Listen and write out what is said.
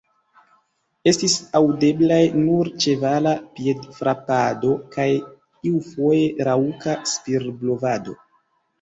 Estis aŭdeblaj nur ĉevala piedfrapado kaj iufoje raŭka spirblovado.